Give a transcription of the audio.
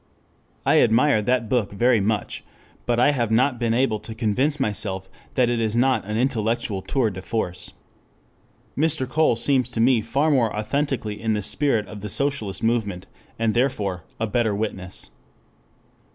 I admire that book very much; but I have not been able to convince myself that it is not an intellectual tour de force. Mr. Cole seems to me far more authentically in the spirit of the socialist movement, and therefore, a better witness.